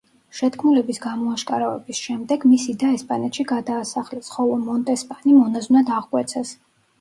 შეთქმულების გამოაშკარავების შემდეგ მისი და ესპანეთში გადაასახლეს, ხოლო მონტესპანი მონაზვნად აღკვეცეს.